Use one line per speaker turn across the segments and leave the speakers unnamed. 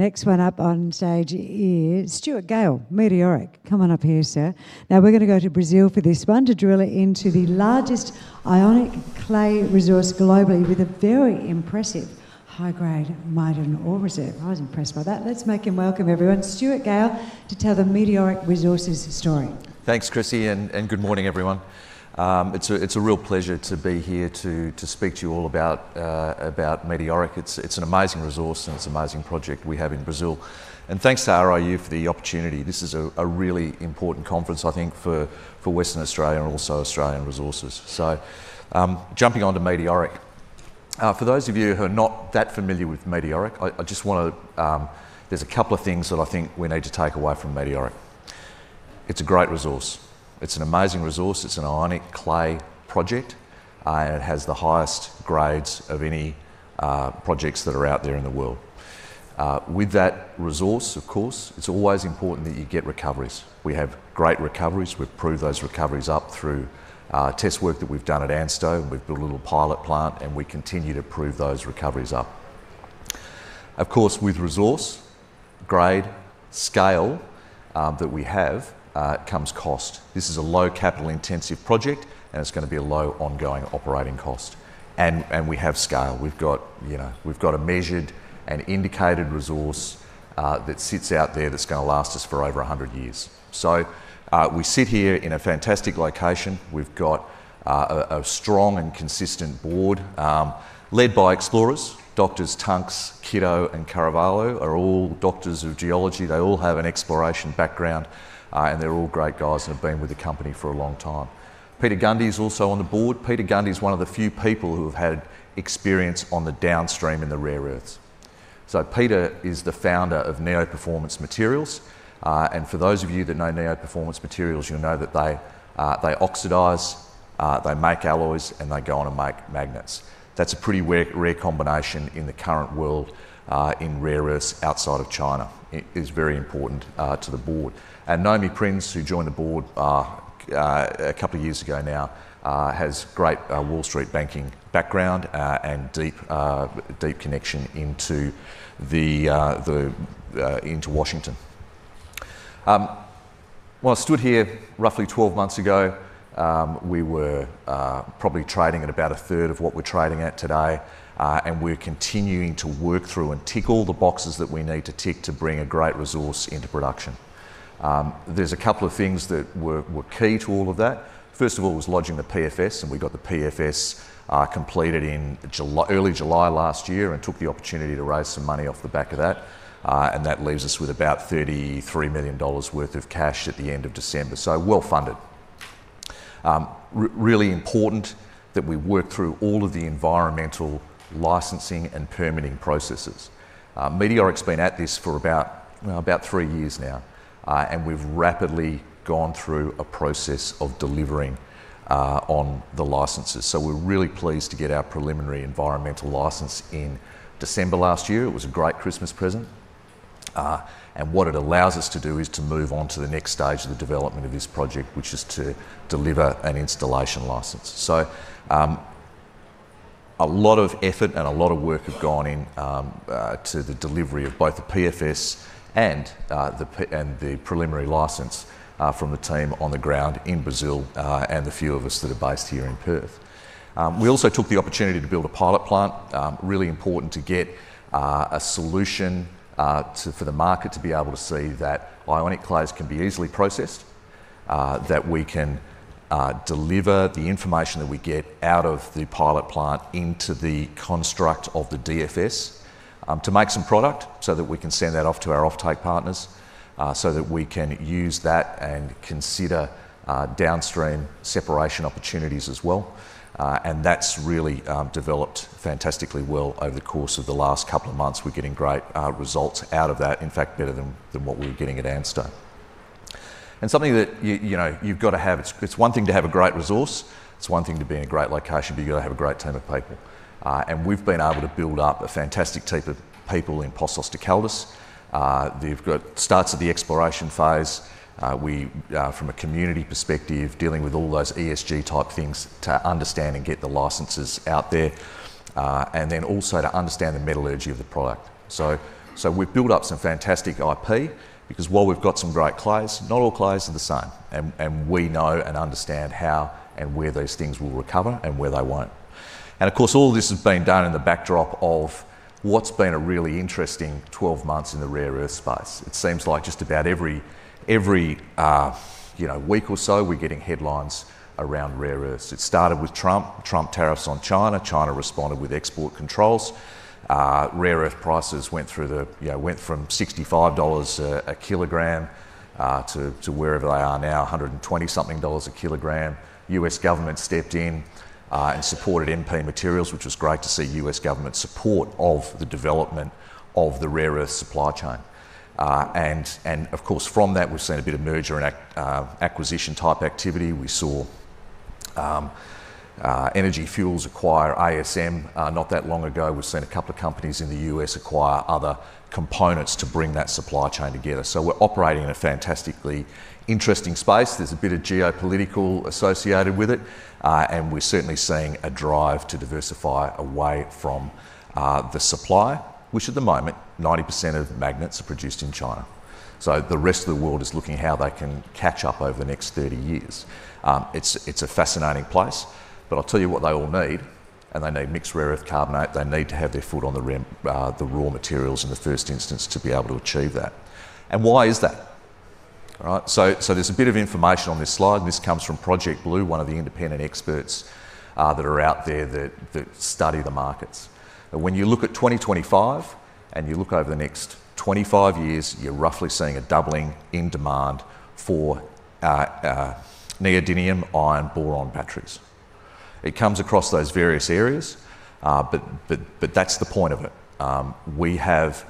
Next one up on stage is Stuart Gale, Meteoric. Come on up here, sir. Now, we're gonna go to Brazil for this one, to drill into the largest ionic clay resource globally, with a very impressive high-grade maiden ore reserve. I was impressed by that. Let's make him welcome, everyone, Stuart Gale, to tell the Meteoric Resources story.
Thanks, Chrissy, and good morning, everyone. It's a real pleasure to be here to speak to you all about Meteoric. It's an amazing resource, and it's an amazing project we have in Brazil. Thanks to RIU for the opportunity. This is a really important conference, I think, for Western Australia and also Australian resources. So, jumping onto Meteoric. For those of you who are not that familiar with Meteoric, I just wanna—there's a couple of things that I think we need to take away from Meteoric. It's a great resource. It's an amazing resource. It's an ionic clay project, and it has the highest grades of any projects that are out there in the world. With that resource, of course, it's always important that you get recoveries. We have great recoveries. We've proved those recoveries up through test work that we've done at ANSTO, and we've built a little pilot plant, and we continue to prove those recoveries up. Of course, with resource, grade, scale, that we have, comes cost. This is a low capital intensive project, and it's gonna be a low ongoing operating cost. And we have scale. We've got, you know, we've got a measured and indicated resource, that sits out there that's gonna last us for over 100 years. So, we sit here in a fantastic location. We've got a strong and consistent board, led by explorers. Doctors Tunks, Kitto, and de Carvalho are all doctors of geology. They all have an exploration background, and they're all great guys and have been with the company for a long time. Peter Gundy is also on the board. Peter Gundy is one of the few people who have had experience on the downstream in the rare earths. So Peter is the founder of Neo Performance Materials. And for those of you that know Neo Performance Materials, you'll know that they oxidize, they make alloys, and they go on to make magnets. That's a pretty rare, rare combination in the current world, in rare earths outside of China. It is very important to the board. And Nomi Prins, who joined the board a couple of years ago now, has great Wall Street banking background and deep connection into Washington. When I stood here roughly 12 months ago, we were probably trading at about a third of what we're trading at today, and we're continuing to work through and tick all the boxes that we need to tick to bring a great resource into production. There's a couple of things that were key to all of that. First of all, was lodging the PFS, and we got the PFS completed in July, early July last year, and took the opportunity to raise some money off the back of that. And that leaves us with about 33 million dollars worth of cash at the end of December, so well-funded. Really important that we work through all of the environmental licensing and permitting processes. Meteoric's been at this for about three years now, and we've rapidly gone through a process of delivering on the licenses. We're really pleased to get our preliminary environmental license in December last year. It was a great Christmas present. What it allows us to do is to move on to the next stage of the development of this project, which is to deliver an installation license. A lot of effort and a lot of work have gone in to the delivery of both the PFS and the preliminary license from the team on the ground in Brazil and the few of us that are based here in Perth. We also took the opportunity to build a pilot plant. Really important to get a solution for the market to be able to see that ionic clays can be easily processed, that we can deliver the information that we get out of the pilot plant into the construct of the DFS, to make some product so that we can send that off to our offtake partners, so that we can use that and consider downstream separation opportunities as well. And that's really developed fantastically well over the course of the last couple of months. We're getting great results out of that, in fact, better than what we were getting at ANSTO. And something that you know, you've gotta have—it's one thing to have a great resource, it's one thing to be in a great location, but you've gotta have a great team of people. And we've been able to build up a fantastic team of people in Poços de Caldas. They've got starts at the exploration phase, from a community perspective, dealing with all those ESG-type things to understand and get the licenses out there, and then also to understand the metallurgy of the product. So, so we've built up some fantastic IP, because while we've got some great clays, not all clays are the same, and, and we know and understand how and where those things will recover and where they won't. And of course, all of this has been done in the backdrop of what's been a really interesting 12 months in the rare earth space. It seems like just about every, every, you know, week or so, we're getting headlines around rare earths. It started with Trump, Trump tariffs on China. China responded with export controls. Rare earth prices went through the, you know, went from $65 a kg to wherever they are now, $120-something a kg. U.S. government stepped in and supported MP Materials, which was great to see U.S. government support of the development of the rare earth supply chain. And of course, from that, we've seen a bit of merger and acquisition-type activity. We saw Energy Fuels acquire ASM not that long ago. We've seen a couple of companies in the US acquire other components to bring that supply chain together. So we're operating in a fantastically interesting space. There's a bit of geopolitical associated with it, and we're certainly seeing a drive to diversify away from the supply, which at the moment, 90% of magnets are produced in China. So the rest of the world is looking at how they can catch up over the next 30 years. It's a fascinating place, but I'll tell you what they all need, and they need mixed rare earth carbonate. They need to have their foot on the rim, the raw materials in the first instance to be able to achieve that. And why is that? All right, so there's a bit of information on this slide, and this comes from Project Blue, one of the independent experts that are out there that study the markets. When you look at 2025, and you look over the next 25 years, you're roughly seeing a doubling in demand for neodymium iron boron batteries. It comes across those various areas, but that's the point of it. We have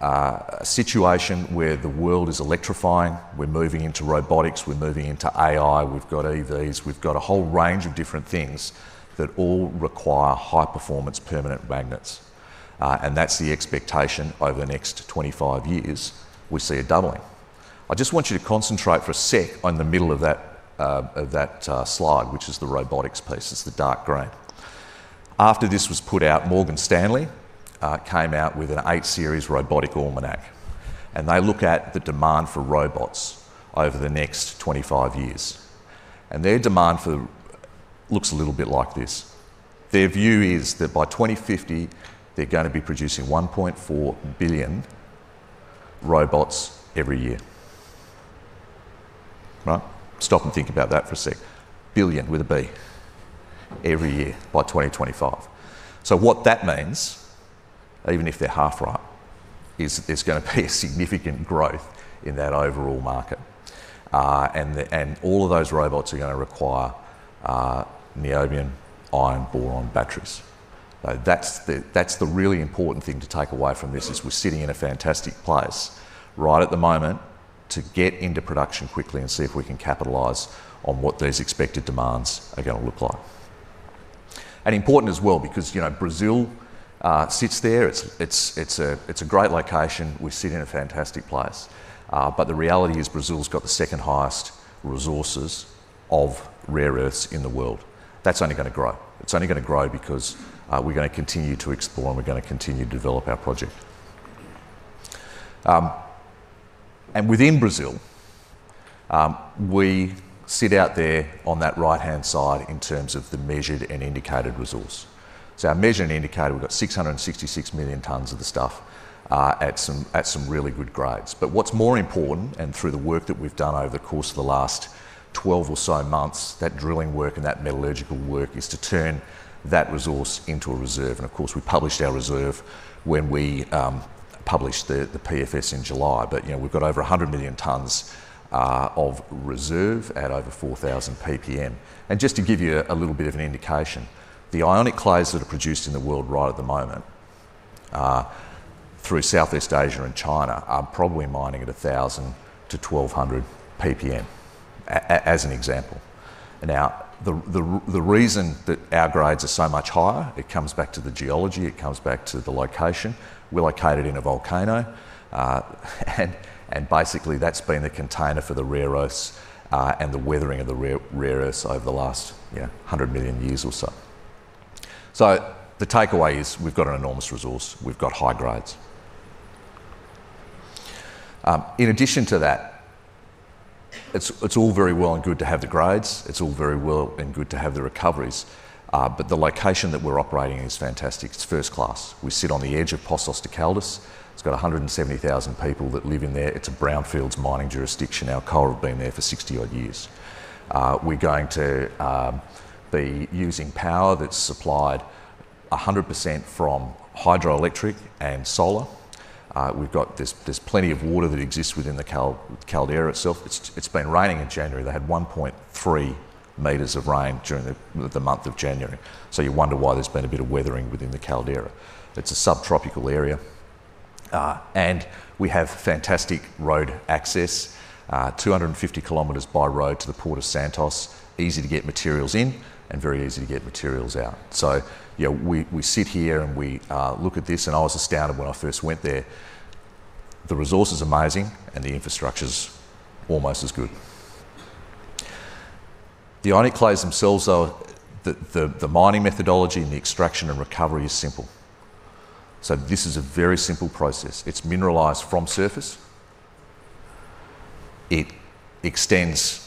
a situation where the world is electrifying, we're moving into robotics, we're moving into AI, we've got EVs. We've got a whole range of different things that all require high-performance permanent magnets. And that's the expectation over the next 25 years, we see a doubling. I just want you to concentrate for a sec on the middle of that slide, which is the robotics piece. It's the dark gray. After this was put out, Morgan Stanley came out with an eight-series robotic almanac, and they look at the demand for robots over the next 25 years. And their demand for—looks a little bit like this. Their view is that by 2050, they're gonna be producing 1.4 billion robots every year. Right? Stop and think about that for a sec. Billion with a B, every year by 2025. So what that means, even if they're half right, is there's gonna be a significant growth in that overall market. And all of those robots are gonna require neodymium iron boron batteries. So that's the, that's the really important thing to take away from this, is we're sitting in a fantastic place right at the moment to get into production quickly and see if we can capitalize on what these expected demands are gonna look like. And important as well, because, you know, Brazil sits there. It's a great location. We sit in a fantastic place, but the reality is Brazil's got the second-highest resources of rare earths in the world. That's only gonna grow. It's only gonna grow because, we're gonna continue to explore, and we're gonna continue to develop our project. And within Brazil, we sit out there on that right-hand side in terms of the measured and indicated resource. So our measured and indicated, we've got 666 million tons of the stuff, at some really good grades. But what's more important, and through the work that we've done over the course of the last 12 or so months, that drilling work and that metallurgical work, is to turn that resource into a reserve. Of course, we published our reserve when we published the PFS in July, but you know, we've got over 100,000,000 tons of reserve at over 4,000 PPM. And just to give you a little bit of an indication, the ionic clays that are produced in the world right at the moment through Southeast Asia and China are probably mining at 1,000 PPM-1,200 PPM as an example. Now, the reason that our grades are so much higher, it comes back to the geology, it comes back to the location. We're located in a volcano and basically that's been the container for the rare earths and the weathering of the rare earths over the last, you know, 100 million years or so. So the takeaway is we've got an enormous resource. We've got high grades. In addition to that, it's, it's all very well and good to have the grades, it's all very well and good to have the recoveries, but the location that we're operating is fantastic. It's first class. We sit on the edge of Poços de Caldas. It's got 170,000 people that live in there. It's a brownfields mining jurisdiction. Alcoa have been there for 60-odd years. We're going to be using power that's supplied 100% from hydroelectric and solar. There's plenty of water that exists within the Caldeira itself. It's been raining in January. They had 1.3 m of rain during the month of January. So you wonder why there's been a bit of weathering within the Caldeira. It's a subtropical area, and we have fantastic road access, 250 km by road to the Port of Santos. Easy to get materials in and very easy to get materials out. So, you know, we sit here and we look at this, and I was astounded when I first went there. The resource is amazing, and the infrastructure's almost as good. The ionic clays themselves, though, the mining methodology and the extraction and recovery is simple. So this is a very simple process. It's mineralized from surface. It extends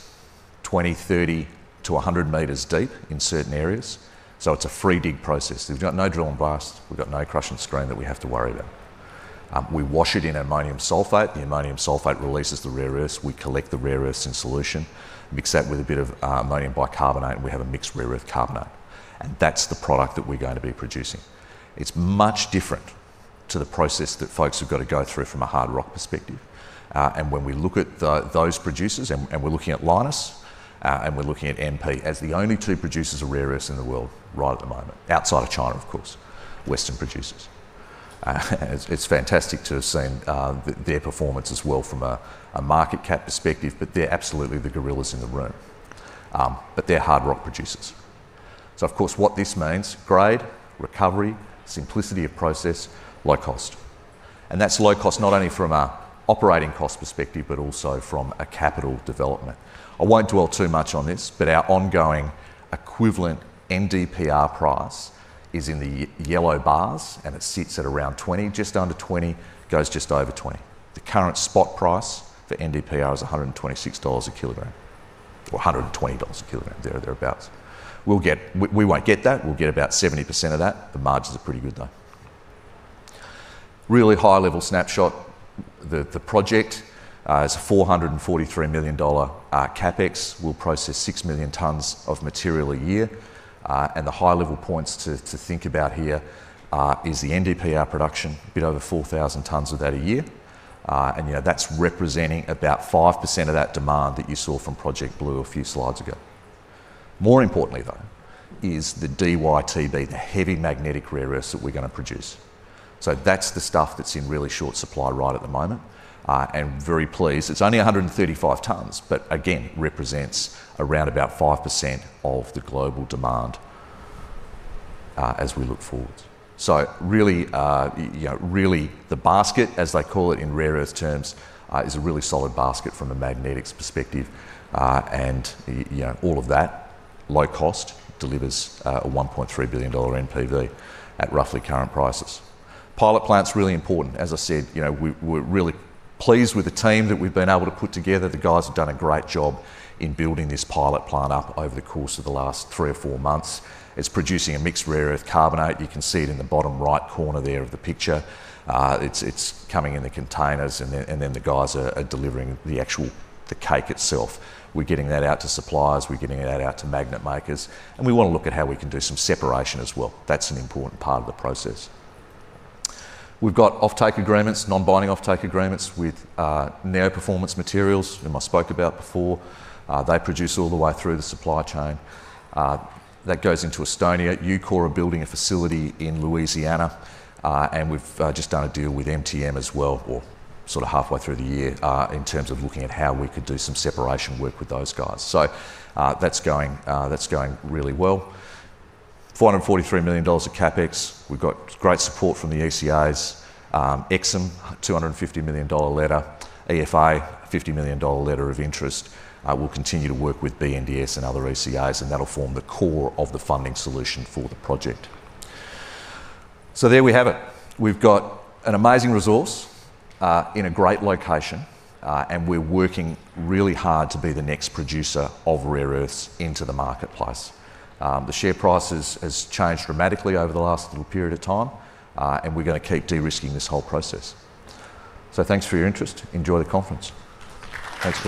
20 m-30 m to 100 m deep in certain areas, so it's a free dig process. We've got no drill and blast, we've got no crush and screen that we have to worry about. We wash it in ammonium sulfate. The ammonium sulfate releases the rare earths. We collect the rare earths in solution, mix that with a bit of ammonium bicarbonate, and we have a mixed rare earth carbonate, and that's the product that we're going to be producing. It's much different to the process that folks have got to go through from a hard rock perspective. And when we look at those producers, and we're looking at Lynas and we're looking at MP as the only two producers of rare earths in the world right at the moment, outside of China, of course, Western producers. It's fantastic to have seen their performance as well from a market cap perspective, but they're absolutely the gorillas in the room. But they're hard rock producers. So of course, what this means, grade, recovery, simplicity of process, low cost. That's low cost, not only from an operating cost perspective, but also from a capital development. I won't dwell too much on this, but our ongoing equivalent NdPr price is in the yellow bars, and it sits at around 20, just under 20, goes just over 20. The current spot price for NdPr is $126 a kg, or $120 a kg, there or thereabouts. We'll get. We won't get that, we'll get about 70% of that. The margins are pretty good, though. Really high-level snapshot. The project is a $443 million CapEx. We'll process 6 million tons of material a year. And the high-level points to think about here is the NdPr production, a bit over 4,000 tons of that a year. You know, that's representing about 5% of that demand that you saw from Project Blue a few slides ago. More importantly, though, is the DyTb, the heavy magnetic rare earths that we're gonna produce. So that's the stuff that's in really short supply right at the moment. And very pleased. It's only 135 tons, but again, represents around about 5% of the global demand, as we look forward. So really, you know, really, the basket, as they call it in rare earth terms, is a really solid basket from a magnetics perspective. And, you know, all of that low cost delivers a $1.3 billion NPV at roughly current prices. Pilot plant's really important. As I said, you know, we're really pleased with the team that we've been able to put together. The guys have done a great job in building this pilot plant up over the course of the last three or four months. It's producing a mixed rare earth carbonate. You can see it in the bottom right corner there of the picture. It's coming in the containers, and then the guys are delivering the actual, the cake itself. We're getting that out to suppliers, we're getting that out to magnet makers, and we wanna look at how we can do some separation as well. That's an important part of the process. We've got offtake agreements, non-binding offtake agreements, with Neo Performance Materials, whom I spoke about before. They produce all the way through the supply chain. That goes into Estonia. Ucore are building a facility in Louisiana, and we've just done a deal with MTM as well, or sort of halfway through the year, in terms of looking at how we could do some separation work with those guys. So, that's going, that's going really well. $443 million of CapEx. We've got great support from the ECAs. EXIM, $250 million letter. EFA, $50 million letter of interest. I will continue to work with BNDES and other ECAs, and that'll form the core of the funding solution for the project. So there we have it. We've got an amazing resource, in a great location, and we're working really hard to be the next producer of rare earths into the marketplace. The share price has changed dramatically over the last little period of time, and we're gonna keep de-risking this whole process. So thanks for your interest. Enjoy the conference. Thanks.